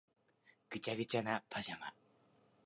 ぐちゃぐちゃなパジャマ